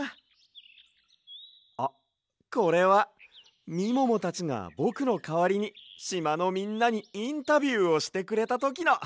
あっこれはみももたちがぼくのかわりにしまのみんなにインタビューをしてくれたときの！